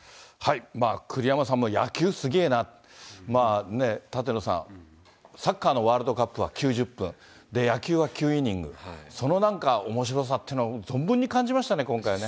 栗山さんも野球すげえなって、舘野さん、サッカーのワールドカップは９０分、野球は９イニング、そのなんかおもしろさってのは、存分に感じましたね、今回ね。